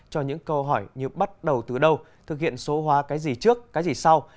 cho những câu hỏi như bắt đầu từ đâu thực hiện số hóa cái gì trước cái gì sau